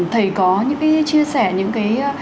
thầy có những cái chia sẻ những cái